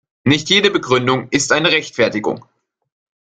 Nicht jede Begründung ist eine Rechtfertigung.